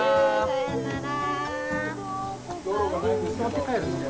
さようなら！